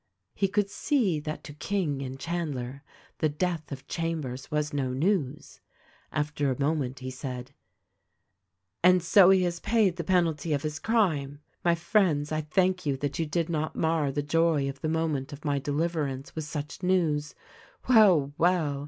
He could see that to King and Chandler the death of Chambers was no news. After a moment he said, "And so he has paid the penalty of his crime. My friends, I thank you that you did not mar the joy of the moment of my de liverance with such news. Well, well